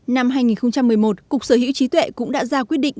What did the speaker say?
năm hai nghìn một mươi một cục sở hữu trí tuệ cũng đã ra quyết định